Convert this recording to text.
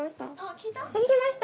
聴きました。